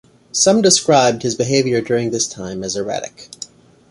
Some described his behaviour during this time as erratic.